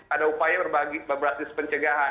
ada upaya berbasis pencegahan